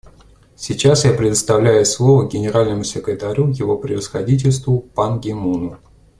Сейчас я предоставляю слово Генеральному секретарю Его Превосходительству Пан Ги Муну.